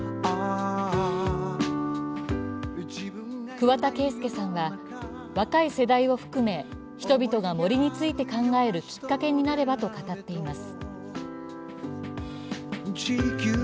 桑田佳祐は、若い世代を含め人々が森について考えるきっかけになればと語っています。